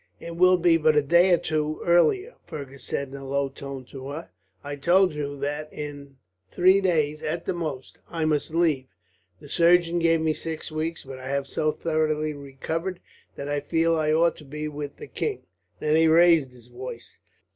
"It will be but a day or two earlier," Fergus said in a low tone to her. "I told you that in three days, at the most, I must leave. The surgeon gave me six weeks, but I have so thoroughly recovered that I feel I ought to be with the king." Then he raised his voice.